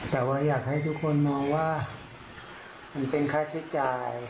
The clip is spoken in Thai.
แต่ว่าอยากให้ทุกคนมองว่ามันเป็นค่าใช้จ่าย